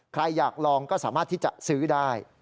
ใครอยากลองก็สามารถที่จะซื้อได้